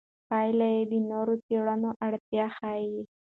پایلې د نورو څېړنو اړتیا ښيي.